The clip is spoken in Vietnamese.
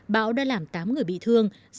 bão đã làm tám người bị thương